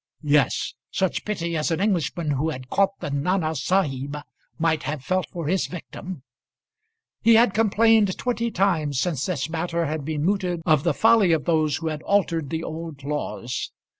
Yes; such pity as an Englishman who had caught the Nana Sahib might have felt for his victim. He had complained twenty times since this matter had been mooted of the folly of those who had altered the old laws.